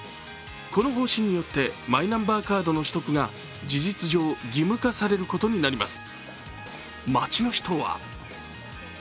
この方針によってマイナンバーカードの取得が事実上、義務化されることになります。